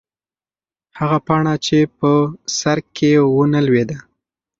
هغه پاڼه چې په سر کې وه نه لوېده.